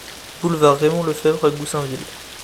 Boulevard Raymond Lefevre à Goussainville